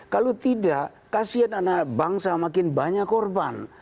kalau tidak kasian anak bangsa makin banyak korban